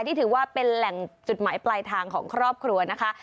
ถือว่าเป็นแหล่งจุดหมายปลายทางของครอบครัวนะคะ